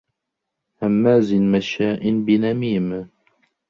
هَمّازٍ مَشّاءٍ بِنَميمٍ